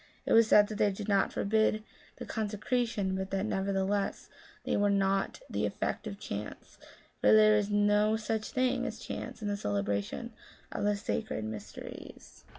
It was said that they did not forbid the consecration, but that, neverthe less, they were not the effect of chance, for there is no such a thing as chance in the celebration of the Sacred Mysteries."